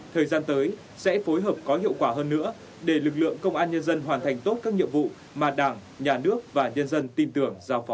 thời gian tới sẽ phối hợp có hiệu quả hơn nữa để lực lượng công an nhân dân hoàn thành tốt các nhiệm vụ mà đảng nhà nước và nhân dân tin tưởng giao phó